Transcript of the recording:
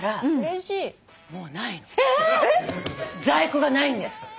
在庫がないんです。